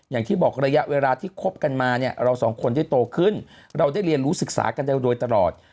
อย่างที่บอกระยะเวลาที่คบกันมาเนี่ยเราสองคนได้โตขึ้นเราได้เรียนรู้ศึกษากันได้โดยตลอด